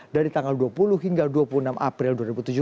dari tanggal dua puluh hingga dua puluh enam april dua ribu tujuh belas